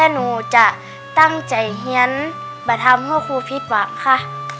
หนูจะตั้งใจเฮียนมาทำให้ครูผิดหวังค่ะ